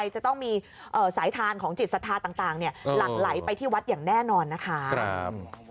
จะต้องมีสายทานของจิตศรัทธาต่างหลั่งไหลไปที่วัดอย่างแน่นอนนะคะ